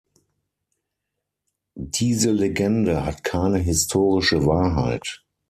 Diese Legende hat keine historische Wahrheit.